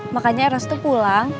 makanya eros tuh pulang